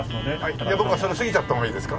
じゃあ僕はそれを過ぎちゃった方がいいですか？